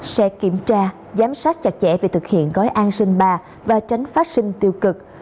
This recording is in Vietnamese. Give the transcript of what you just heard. sẽ kiểm tra giám sát chặt chẽ việc thực hiện gói an sinh ba và tránh phát sinh tiêu cực